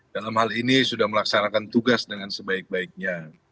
dalam hal ini sudah melaksanakan tugas dengan sebaik baiknya